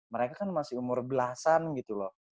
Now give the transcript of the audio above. mereka kan masih umur belasan gitu loh